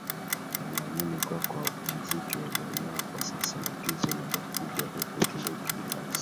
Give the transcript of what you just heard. Wanaamini kuwa kwa mziki walionao kwa sasa na tizi wanalopiga huko Uturuki ni wazi